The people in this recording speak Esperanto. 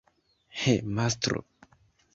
He, mastro!